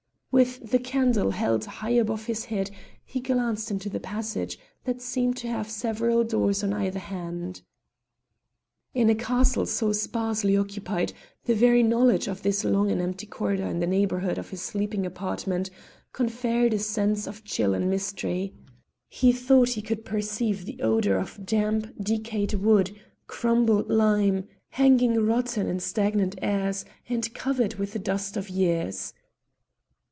With the candle held high above his head he glanced into the passage, that seemed to have several doors on either hand. In a castle so sparsely occupied the very knowledge of this long and empty corridor in the neighbourhood of his sleeping apartment conferred a sense of chill and mystery. He thought he could perceive the odour of damp, decayed wood, crumbled lime, hanging rotten in stagnant airs and covered with the dust of years.